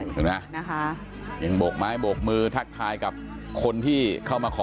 นะคะหลังจากนี้นะคะยังบวกไม้ถักท้ายกับคนที่เข้ามาขอ